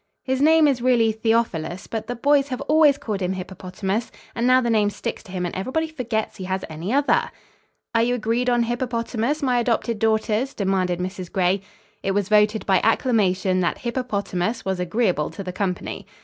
"His name is really 'Theophilus', but the boys have always called him 'Hippopotamus,' and now the name sticks to him and everybody forgets he has any other." "Are you agreed on Hippopotamus, my adopted daughters?" demanded Mrs. Gray. It was voted by acclamation, that Hippopotamus was agreeable to the company.